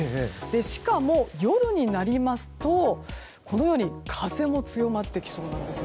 しかも、夜になりますと風も強まってきそうなんです。